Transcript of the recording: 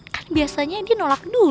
kan biasanya ini nolak dulu